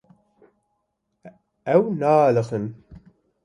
Ew naaliqin.